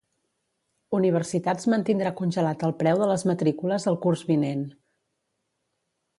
Universitats mantindrà congelat el preu de les matrícules el curs vinent.